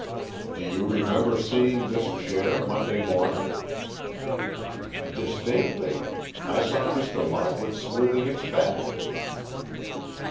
"Do you remember seeing this chair, Monday morning?" "Distinctly. I saw Mr. Lockwood smoothing its back."